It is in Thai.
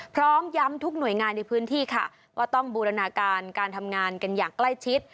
พร้อมย้ำทุกหน่วยงานในพื้นที่ค่ะว่าต้องบูรณาการการทำงานกันอย่างใกล้ชิด